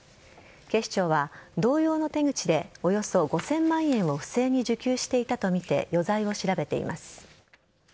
警視庁は、同様の手口でおよそ５０００万円を不正に受給していたとみて余罪を調べています。